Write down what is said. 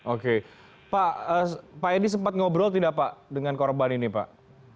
oke pak edi sempat ngobrol tidak pak dengan korban ini pak